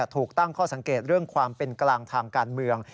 ถูกตั้งข้อสังเกตเรื่องความเป็นกลางทางการเมือง